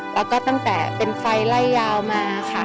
แล้วก็ตั้งแต่เป็นไฟไล่ยาวมาค่ะ